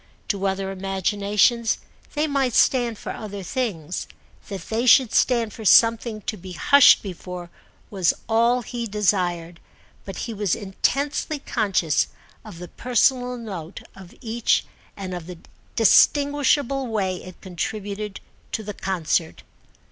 To other imaginations they might stand for other things—that they should stand for something to be hushed before was all he desired; but he was intensely conscious of the personal note of each and of the distinguishable way it contributed to the concert.